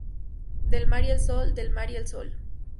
Del mar y el sol, del mar y el sol.